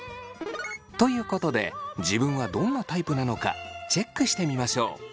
ということで自分はどんなタイプなのかチェックしてみましょう！